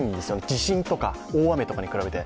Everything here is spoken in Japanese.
地震とか大雨に比べて。